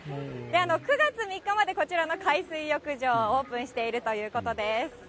９月３日までこちらの海水浴場、オープンしているということです。